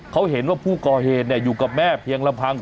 เขาเห็นว่าผู้ก่อเหตุอยู่กับแม่เพียงลำพัง